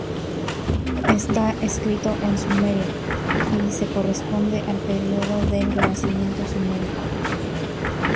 Está escrito en sumerio y se corresponde al periodo del Renacimiento sumerio.